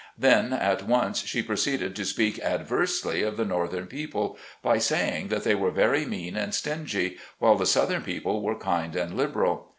Then at once she proceeded to speak adversely of the northern peo ple, by saying that they were very mean and stingy, while the southern people were kind and liberal.